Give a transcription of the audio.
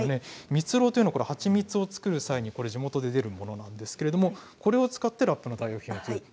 蜜ろうというのは蜂蜜を作る際に地元で出るものなんですけれどこれを使ってラップを作ると。